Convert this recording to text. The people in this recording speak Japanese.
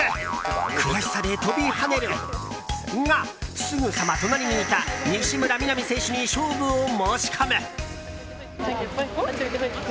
悔しさで飛び跳ねるがすぐさま隣にいた西村弥菜美選手に勝負を申し込む。